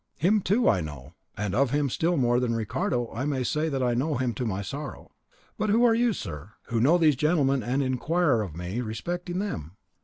"Him too I know, and of him still more than Ricardo I may say that I know him to my sorrow. But who are you, sir, who know these gentlemen and inquire of me respecting them?